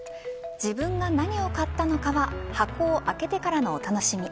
自分が何を買ったのかは箱を開けてからのお楽しみ。